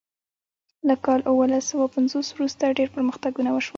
له کال اوولس سوه پنځوس وروسته ډیر پرمختګونه وشول.